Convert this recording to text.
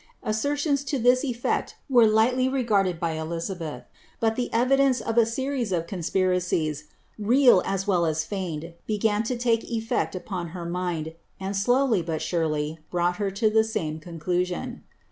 Asscriion.i lo this ellect were lightly regarded by F.liiabeth, but the evidence of a series of conspiracies, real as well as feigned, began to take effect upon her miud, and slowly, but surely, brought her to the same conclusion.